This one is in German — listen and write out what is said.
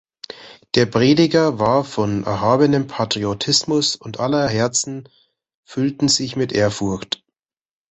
Der Prediger war von erhabenem Patriotismus, und aller Herzen füllten sich mit Ehrfurcht.